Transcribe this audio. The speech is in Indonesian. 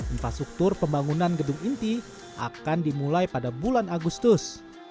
infrastruktur pembangunan gedung inti akan dimulai pada bulan agustus